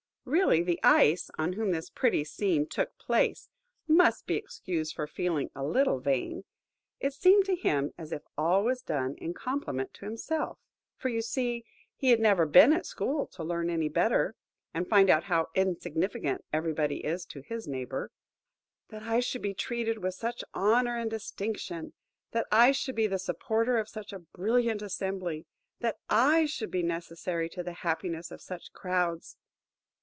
Really the Ice, on whom this pretty scene took place, must be excused for feeling a little vain. It seemed to him as if it was all done in compliment to himself; for, you see, he had never been at school to learn any better, and find out how insignificant everybody is to his neighbour.–"That I should be treated with such honour and distinction! that I should be the supporter of such a brilliant assembly! that I should be necessary to the happiness of such crowds!"